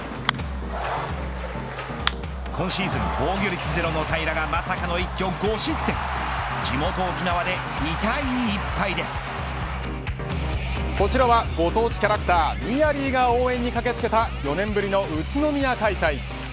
今シーズン防御率ゼロの平良がまさか一挙５失点地元沖縄でこちらはご当地キャラクターミヤリーが応援に駆けつけた４年ぶりの宇都宮開催。